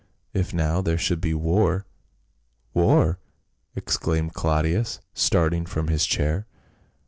" If now there should be war —"" War !" exclaimed Claudius starting from his chair.